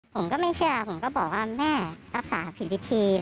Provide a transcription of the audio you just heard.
ผมก็ไม่เชื่อผมก็บอกว่าแม่รักษาผิดวิธี